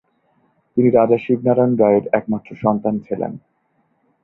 তিনি রাজা শিবনারায়ণ রায়ের একমাত্র সন্তান ছিলেন।